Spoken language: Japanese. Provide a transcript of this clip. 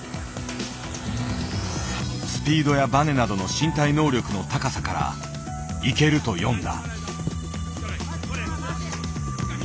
スピードやバネなどの身体能力の高さからいけると読んだ。